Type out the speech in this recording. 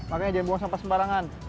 makanya dia buang sampah sembarangan